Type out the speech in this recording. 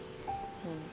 うん。